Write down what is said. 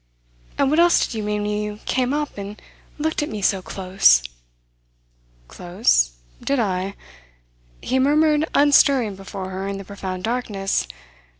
And what else did you mean when you came up and looked at me so close?" "Close? Did I?" he murmured unstirring before her in the profound darkness.